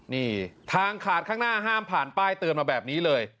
นี่ทางขาดข้างหน้าห้ามผ่านป้ายเตือนมาแบบนี้เลย